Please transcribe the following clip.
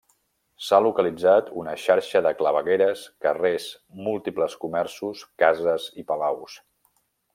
S'ha localitzat una xarxa de clavegueres, carrers, múltiples comerços, cases i palaus.